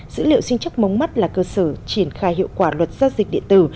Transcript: dữ liệu sinh trách mống mắt là cơ sở triển khai hiệu quả luật xác dịch điện tử